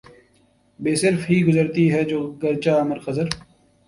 بے صرفہ ہی گزرتی ہے ہو گرچہ عمر خضر